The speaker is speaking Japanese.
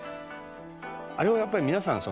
「あれをやっぱり皆さん